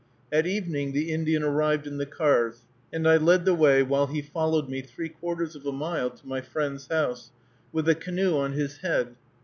At evening the Indian arrived in the cars, and I led the way while he followed me three quarters of a mile to my friend's house, with the canoe on his head.